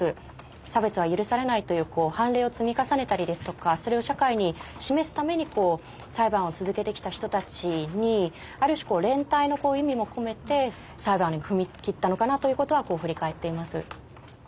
差別は許されないという判例を積み重ねたりですとかそれを社会に示すために裁判を続けてきた人たちにある種連帯の意味も込めて裁判に踏み切ったのかなということは振り返っています。